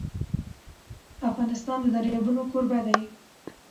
افغانستان د دریابونه کوربه دی.